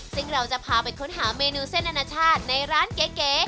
ซึ่งเราจะพาไปค้นหาเมนูเส้นอนาชาติในร้านเก๋